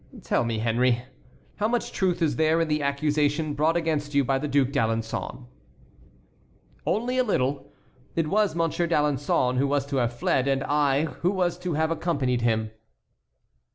"Tell me, Henry, how much truth is there in the accusation brought against you by the Duc d'Alençon?" "Only a little. It was Monsieur d'Alençon who was to have fled, and I who was to have accompanied him."